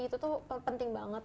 itu tuh penting banget